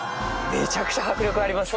めちゃくちゃ迫力ありますよね。